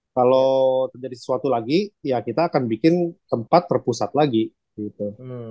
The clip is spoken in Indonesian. kalau terjadi sesuatu lagi ya kita akan bikin tempat terpusat lagi gitu